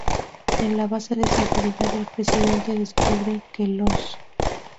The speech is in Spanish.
En la base de seguridad del Presidente, descubren que los.